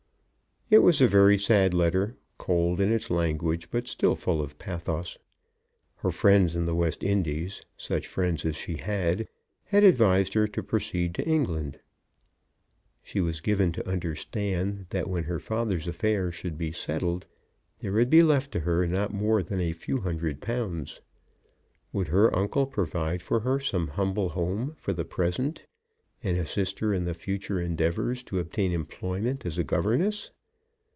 It was a very sad letter, cold in its language, but still full of pathos. Her friends in the West Indies, such friends as she had, had advised her to proceed to England. She was given to understand that when her father's affairs should be settled there would be left to her not more than a few hundred pounds. Would her uncle provide for her some humble home for the present, and assist her in her future endeavours to obtain employment as a governess?